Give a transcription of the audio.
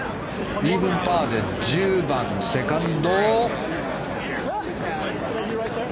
イーブンパーで１０番、セカンド。